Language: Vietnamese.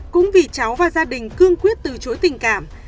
cũng vì cháu và gia đình cương quyết từ chối tình cảm